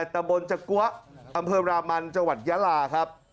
ตะบนจักัวอำเภอรามันจังหวัดยาลาครับ